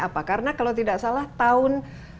apa karena kalau tidak salah tahun